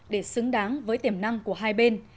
để xứng đáng với tiềm năng của hai bên